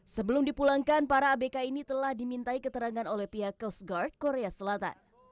sebelum dipulangkan para abk ini telah dimintai keterangan oleh pihak coast guard korea selatan